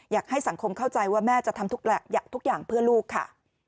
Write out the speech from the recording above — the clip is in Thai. อยากให้สังคมเข้าใจว่าแม่จะทำทุกอย่างเพื่อลูกค่ะ